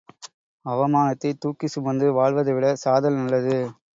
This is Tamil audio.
அவமானத்தைத் தூக்கிச் சுமந்து வாழ்வதைவிட சாதல் நல்லது.